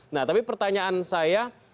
nah tapi pertanyaan saya